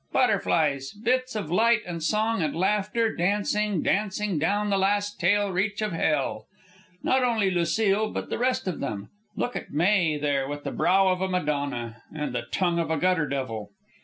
"Butterflies, bits of light and song and laughter, dancing, dancing down the last tail reach of hell. Not only Lucile, but the rest of them. Look at May, there, with the brow of a Madonna and the tongue of a gutter devil.